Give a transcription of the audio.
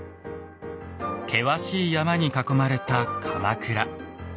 険しい山に囲まれた鎌倉。